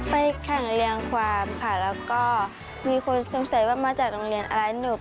แข่งเรียงความค่ะแล้วก็มีคนสงสัยว่ามาจากโรงเรียนอะไรหนู